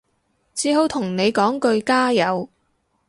只好同你講句加油